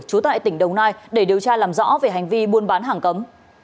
trú tại tỉnh đồng nai để điều tra làm rõ về hành vi buôn bán hàng cấm